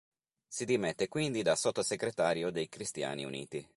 Si dimette quindi da sottosegretario dei Cristiani Uniti.